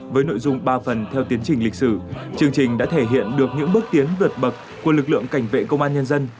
với nội dung ba phần theo tiến trình lịch sử chương trình đã thể hiện được những bước tiến vượt bậc của lực lượng cảnh vệ công an nhân dân